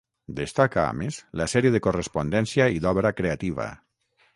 Destaca, a més, la sèrie de correspondència i d'obra creativa.